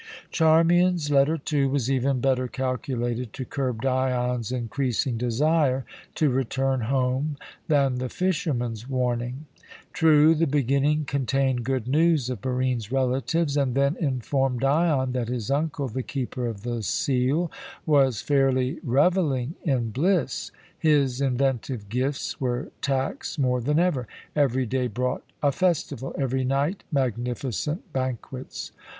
Charmian's letter, too, was even better calculated to curb Dion's increasing desire to return home than the fisherman's warning. True, the beginning contained good news of Barine's relatives, and then informed Dion that his uncle, the Keeper of the Seal, was fairly revelling in bliss. His inventive gifts were taxed more than ever. Every day brought a festival, every night magnificent banquets.